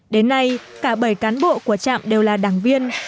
đến nay cả bảy cán bộ của trạm đều là đảng viên